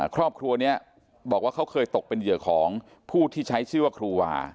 ครอบครัวนี้บอกว่าเขาเคยตกเป็นเหยื่อของผู้ที่ใช้ชื่อว่าครูวา